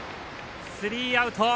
スリーアウト。